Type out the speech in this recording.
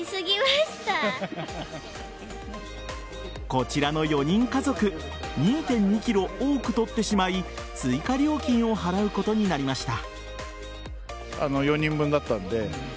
こちらの４人家族２．２ｋｇ多く採ってしまい追加料金を払うことになりました。